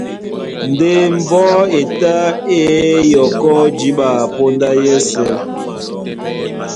Ndé mbɔ́ e tá é yɔkɔ́ jǐɓa póndá yɛ́sɛ̄.